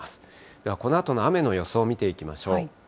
ではこのあとの雨の予想、見てみましょう。